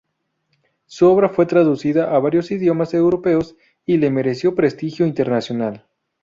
Su obra fue traducida a varios idiomas europeos y le mereció prestigio internacional.